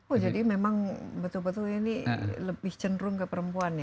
oh jadi memang betul betul ini lebih cenderung ke perempuan ya